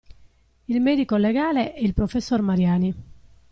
Il medico legale e il professor Mariani.